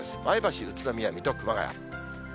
前橋、宇都宮、水戸、熊谷。